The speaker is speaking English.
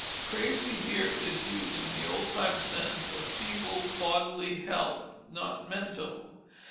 Crazy here is used in the old time sense of feeble bodily health, not mental.